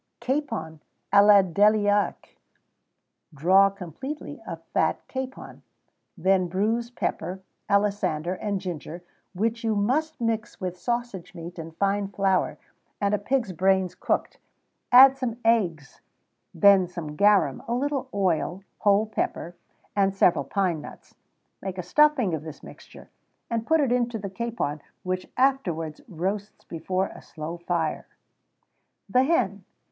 Capon à la Déliaque. Draw completely a fat capon; then bruise pepper, alisander, and ginger, which you must mix with sausage meat and fine flour, and a pig's brains cooked; add some eggs, then some garum, a little oil, whole pepper, and several pine nuts. Make a stuffing of this mixture, and put it into the capon, which afterwards roast before a slow fire.[XVII 17] THE HEN.